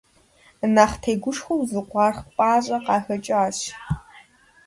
Нэхъ тегушхуэу зы къуаргъ пӀащэ къахэкӀащ.